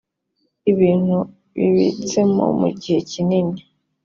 ibintu bibitsemo mu gihe kinini